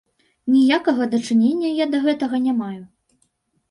Ніякага дачынення я да гэтага не маю.